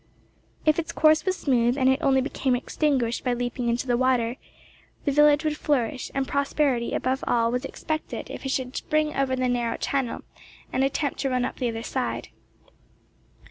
If its course was smooth, and it only became extinguished by leaping into the water, the village would flourish; and prosperity above all was expected if it should spring over the narrow channel, and attempt to run up the other side.